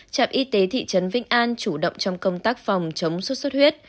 trạm y tế thị trấn vĩnh an chủ động trong công tác phòng chống sốt xuất huyết